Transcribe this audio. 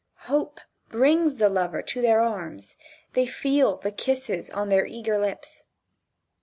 Hope brings the lover to their arms. They feel the kisses on their eager lips.